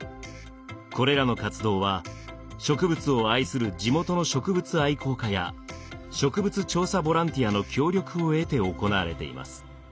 これらの活動は植物を愛する地元の植物愛好家や植物調査ボランティアの協力を得て行われています。